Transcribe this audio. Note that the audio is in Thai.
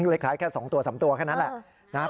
เลขท้ายแค่๒ตัว๓ตัวแค่นั้นแหละ